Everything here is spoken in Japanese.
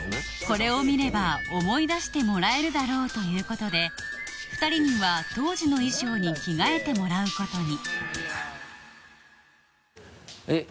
これを見れば思い出してもらえるだろうということで２人には当時の衣装に着替えてもらうことにえっ？